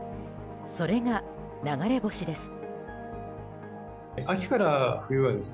それが流れ星です。